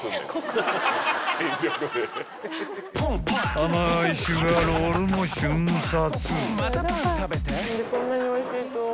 ［甘いシュガーロールも瞬殺］